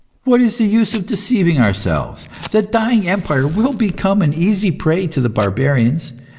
What is the use of deceiving ourselves? The dying empire will become an easy prey to the barbarians.